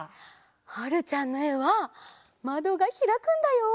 はるちゃんのえはまどがひらくんだよ！